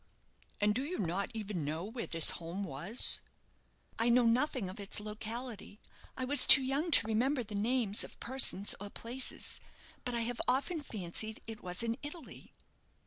"And do you not even know where this home was?" "I know nothing of its locality. I was too young to remember the names of persons or places. But I have often fancied it was in Italy."